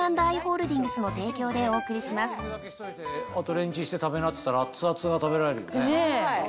レンチンして食べなって言ったら熱々が食べられるよね。